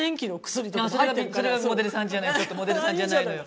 それはモデルさんじゃないモデルさんじゃないのよ。